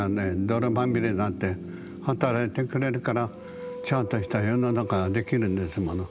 泥まみれになって働いてくれるからちゃんとした世の中ができるんですもの。